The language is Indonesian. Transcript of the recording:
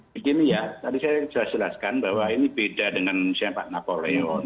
begini ya tadi saya sudah jelaskan bahwa ini beda dengan misalnya pak napoleon